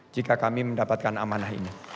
jika kami mendapatkan amanah ini